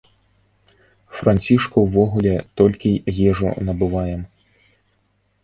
Францішку ўвогуле толькі ежу набываем.